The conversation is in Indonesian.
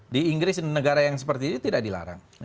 di inggris dan negara yang seperti itu tidak dilarang